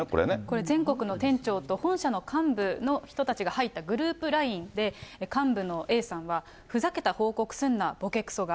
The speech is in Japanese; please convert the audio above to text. これ、全国の店長と本社の幹部の人たちが入ったグループＬＩＮＥで、幹部のＡさんは、ふざけた報告すんな、ボケクソが！